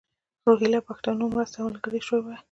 روهیله پښتنو مرسته ملګرې شوې وای.